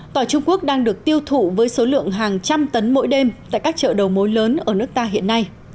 tỏi trung quốc đang được tiêu thụ với số lượng hàng trăm tấn mỗi đêm tại các chợ đầu mối lớn ở nước ta hiện nay